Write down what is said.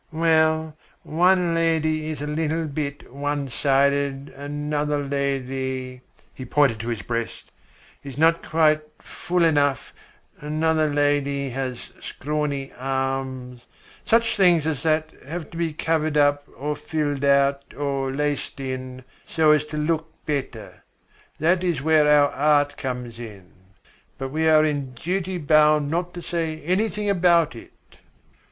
"Well, one lady is a little bit one sided, another lady" he pointed to his breast "is not quite full enough, another lady has scrawny arms such things as that have to be covered up or filled out or laced in, so as to look better. That is where our art comes in. But we are in duty bound not to say anything about it."